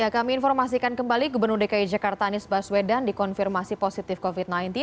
kami informasikan kembali gubernur dki jakarta anies baswedan dikonfirmasi positif covid sembilan belas